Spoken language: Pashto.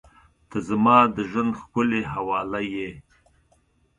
• ته زما د ژونده ښکلي حواله یې.